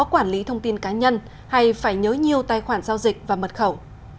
quản lý thông tin cá nhân hay phải nhớ nhiều tài khoản giao dịch và mật khẩu